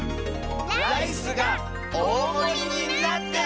ライスがおおもりになってる！